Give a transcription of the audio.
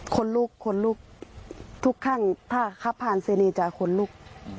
คนลุกคนลุกทุกข้างถ้าขับผ่านเซเนจะขนลุก